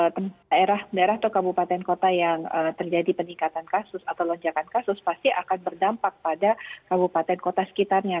jadi daerah daerah atau kabupaten kota yang terjadi peningkatan kasus atau lonjakan kasus pasti akan berdampak pada kabupaten kota sekitarnya